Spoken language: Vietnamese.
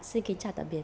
xin kính chào tạm biệt